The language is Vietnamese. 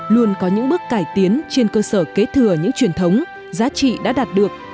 luôn có những bước cải tiến trên cơ sở kế thừa những truyền thống giá trị đã đạt được